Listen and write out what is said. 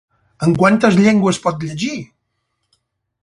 En quantes llengües pot llegir?